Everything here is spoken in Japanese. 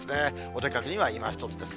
お出かけにはいまひとつです。